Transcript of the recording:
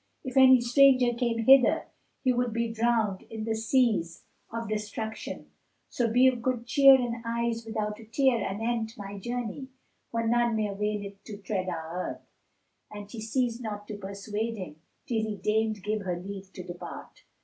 If any stranger came hither, he would be drowned in the seas of destruction: so be of good cheer and eyes without a tear anent my journey; for none may avail to tread our earth." And she ceased not to persuade him, till he deigned give her leave to depart.